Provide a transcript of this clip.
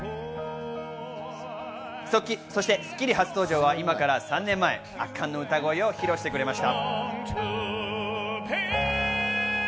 名実ともにトそして『スッキリ』初登場は今から３年前、圧巻の歌声を披露してくれました。